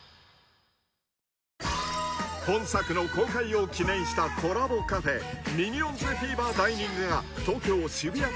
［本作の公開を記念したコラボカフェミニオンズフィーバーダイニングが東京渋谷ＰＡＲＣＯ